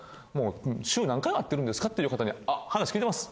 週何回会ってるんですかって方に話聞いてます。